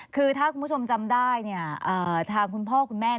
คือถ้าคุณผู้ชมจำได้ทางคุณพ่อคุณแม่